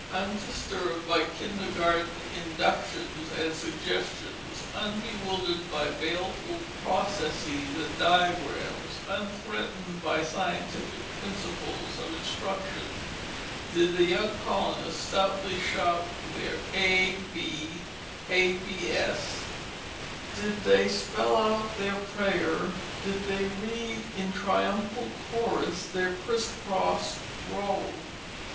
Undisturbed by kindergarten inductions and suggestions, unbewildered by baleful processes and diagrams, unthreatened by scientific principles of instruction, did the young colonists stoutly shout their a b abs, did they spell out their prayer, did they read in triumphal chorus their criss cross row.